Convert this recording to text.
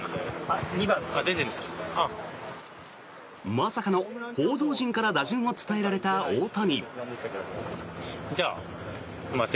まさかの報道陣から打順を伝えられた大谷。